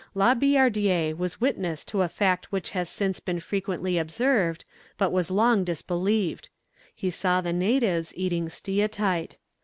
La Billardière was witness to a fact which has since been frequently observed, but was long disbelieved. He saw the natives eating steatite.